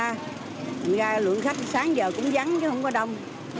thành ra lượng khách sáng giờ cũng dắn chứ không có đông